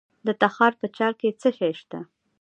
د تخار په چال کې څه شی شته؟